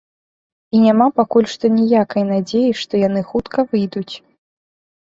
І няма пакуль што ніякай надзеі, што яны хутка выйдуць.